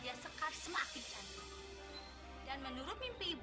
oh saya merasa sangat gembira